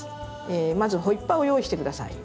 まずホイッパーを用意して下さい。